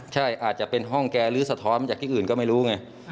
ใช่อาจจะเป็นห้องแกหรือสะท้อนมาจากที่อื่นก็ไม่รู้ไง